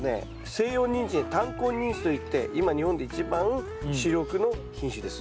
西洋ニンジン短根ニンジンといって今日本で一番主力の品種です。